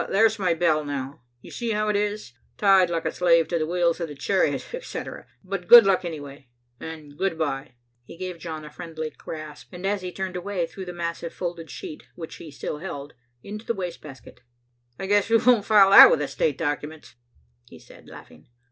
There's my bell now. You see how it is tied like a slave to the wheels of the chariot, etc. But good luck, anyway, and good bye." He gave John a friendly grasp, and as he turned away, threw the massive folded sheet, which he still held, into the waste basket. "I guess we won't file that with the state documents," he said laughing.